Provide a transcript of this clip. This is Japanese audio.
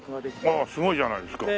あっすごいじゃないですか。